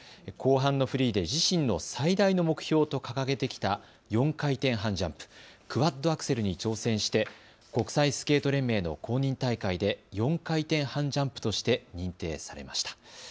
後半のフリーで自身の最大の目標と掲げてきた４回転半ジャンプクワッドアクセルに挑戦して国際スケート連盟の公認大会で４回転半ジャンプとして認定されました。